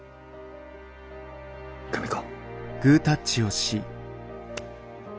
久美子。